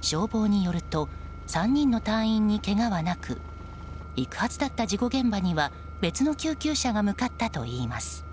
消防によると３人の隊員に、けがはなく行くはずだった事故現場には別の救急車が向かったといいます。